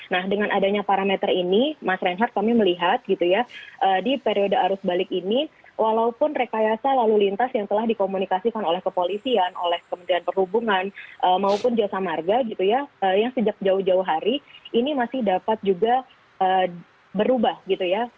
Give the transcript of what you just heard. nah dengan adanya parameter ini mas reinhardt kami melihat gitu ya di periode arus balik ini walaupun rekayasa lalu lintas yang telah dikomunikasikan oleh kepolisian oleh kementerian perhubungan maupun jasa marga gitu ya yang sejak jauh jauh hari ini masih dapat juga berubah gitu ya